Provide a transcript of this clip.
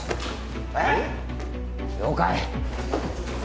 えっ了解